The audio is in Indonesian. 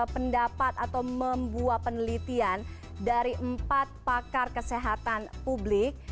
penambahan bahkan lonjakan kasus